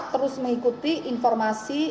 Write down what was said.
terus mengikuti informasi